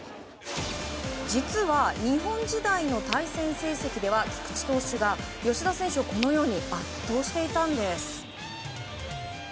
実は日本時代の対戦成績では菊池投手が吉田選手を圧倒していたんです。